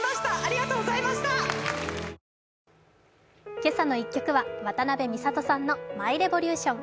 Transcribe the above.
「けさの１曲」は渡辺美里さんの「ＭｙＲｅｖｏｌｕｔｉｏｎ」。